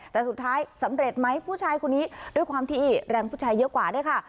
แต่สุดท้ายสำเร็จไหมผู้ชายคนนี้ด้วยความที่แรงผู้ชายเยอะกว่าด้วยค่ะ